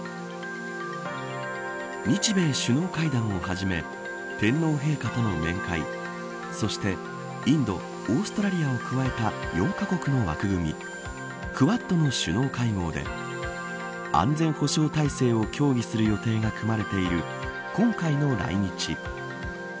日米首脳会談をはじめ天皇陛下との面会そしてインド、オーストラリアを加えた４カ国の枠組みクアッドの首脳会合で安全保障体制を協議する予定が組まれている今回の来日。